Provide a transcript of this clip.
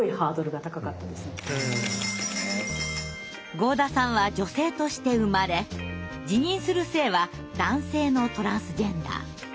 合田さんは女性として生まれ自認する性は男性のトランスジェンダー。